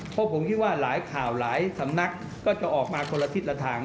เพราะผมคิดว่าหลายข่าวหลายสำนักก็จะออกมาคนละทิศละทาง